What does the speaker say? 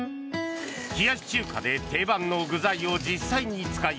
冷やし中華で定番の具材を実際に使い